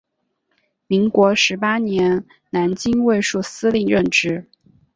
民国十八年于南京卫戍司令任职。